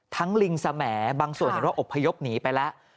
ลิงสมบางส่วนเห็นว่าอบพยพหนีไปแล้ว